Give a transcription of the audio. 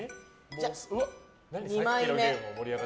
２枚目。